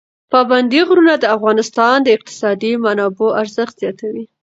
پابندی غرونه د افغانستان د اقتصادي منابعو ارزښت زیاتوي.